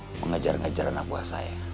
mengejar ngejar anak buah saya